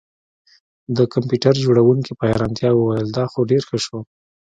د کمپیوټر جوړونکي په حیرانتیا وویل دا خو ډیر ښه شو